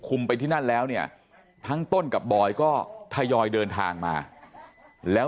ไปที่นั่นแล้วเนี่ยทั้งต้นกับบอยก็ทยอยเดินทางมาแล้ว